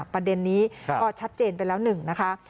ประเด็นนี้ก็ชัดเจนไปแล้วหนึ่งนะคะ